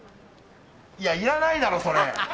いやいらないだろ、それ！